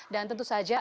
dan tentu saja